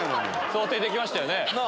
想定できましたよね。